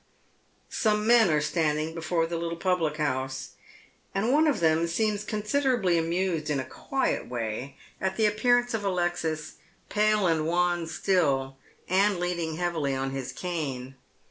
Some men are standing before the little public house, and one of them seems considerably amused in a quiet way at the appear ance of Alexis, pale and wan still, and leaning heavily on his cane.